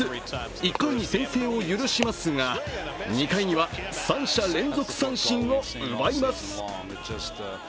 １回に先制を許しますが２回には３者連続三振を奪います。